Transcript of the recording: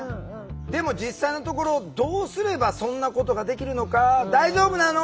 でも実際のところどうすればそんなことができるのか大丈夫なの？